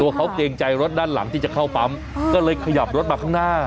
เขาเกรงใจรถด้านหลังที่จะเข้าปั๊มก็เลยขยับรถมาข้างหน้า